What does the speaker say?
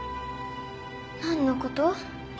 何のこと？